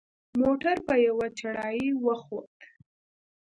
موټر په یوه چړهایي وخوت.